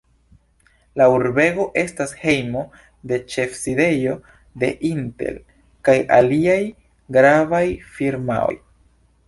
La urbego estas hejmo de ĉefsidejo de Intel kaj aliaj gravaj firmaoj.